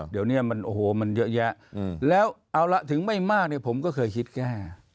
เดี๋ยวนี้มันเยอะแยะแล้วเอาละถึงไม่มากผมก็เคยคิดแก้